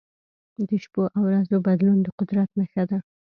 د شپو او ورځو بدلون د قدرت نښه ده.